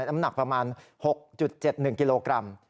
น้ำหนักประมาณ๖๗๑กิโลกรัม